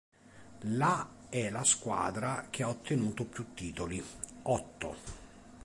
La è la squadra che ha ottenuto più titoli, otto.